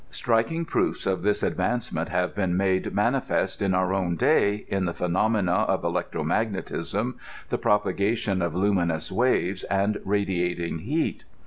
Striking proofs of this advance ment have been made manifest in our own day, in the phe nomena of electro magnetism, the propagation of luminous waves and radiating heat.